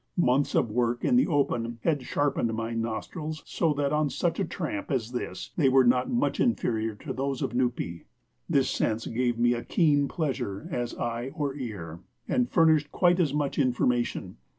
Months of work in the open had sharpened my nostrils so that on such a tramp as this they were not much inferior to those of Nupee. This sense gave me as keen pleasure as eye or ear, and furnished quite as much information.